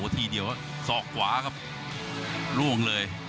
ทีเดียวศอกขวาล่วงเลย